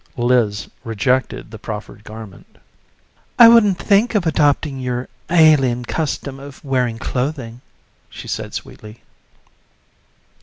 Liz rejected the proffered garment. "I wouldn't think of adopting your alien custom of wearing clothing," she said sweetly.